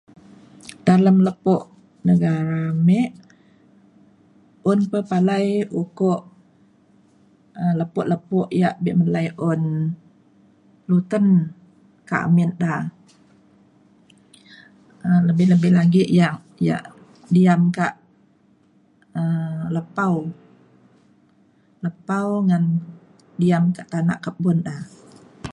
Dalem lepo' negara mik, un pe palai ukuk um lepo lepo ya' be melai un luten ka amin da. Lebih-lebih lagi ya' ya' diam ka lepau, lepau ngan diam ka tanak kebun da.